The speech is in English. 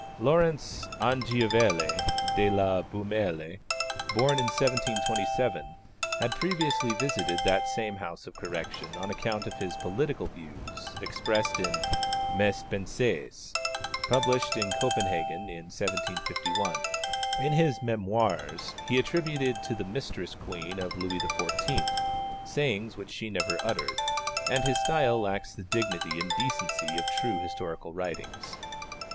Laurence Anglivielle de la Beaumelle, born in 1727, had previously visited that same house of correction on account of his political views expressed in Mes Pensées, published at Copenhagen in 1751. In his Mémoires he attributed to the mistress queen of Louis XIV. sayings which she never uttered, and his style lacks the dignity and decency of true historical writings.